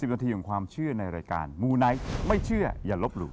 นาทีของความเชื่อในรายการมูไนท์ไม่เชื่ออย่าลบหลู่